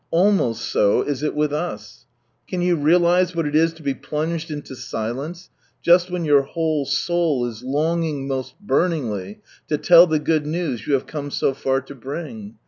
Almost so is it with us. Can you realize what it is to be plunged into silence just when yovir whole soul is longing most burningly to tell the good news you have come so far to bring